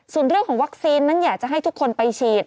ส่วนเรื่องของวัคซีนนั้นอยากจะให้ทุกคนไปฉีด